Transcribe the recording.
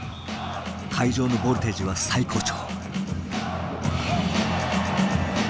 会場のボルテージは最高潮。